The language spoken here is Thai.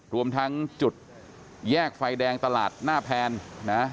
รวมทั้งจุดแยกไฟแดงตลาดหน้าแพนนะ